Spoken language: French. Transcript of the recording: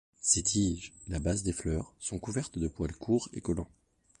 Ses tiges et la base des fleurs sont couvertes de poils courts et collants.